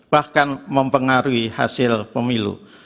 bahkan mempengaruhi hasil pemilu